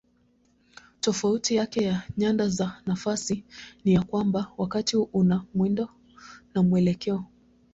Tofauti yake na nyanda za nafasi ni ya kwamba wakati una mwendo na mwelekeo.